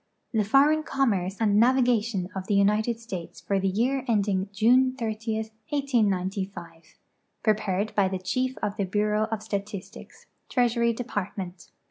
The Foreign Commerce and Navigatiem of the United States for the Year endinn June 30, 1895. Prepared by the Chief of the Bureau of Statistics, Treasury Department.